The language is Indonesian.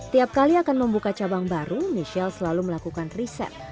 tiap kali akan membuka cabang baru michelle selalu melakukan riset